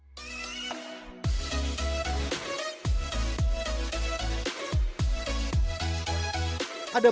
mural dan grafiti